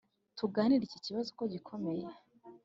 tuganire iki kibazo ko gikomeye?